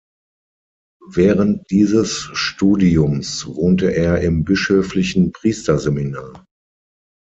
Während dieses Studiums wohnte er im Bischöflichen Priesterseminar.